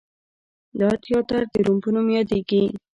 دا تیاتر د روم په نوم یادیږي.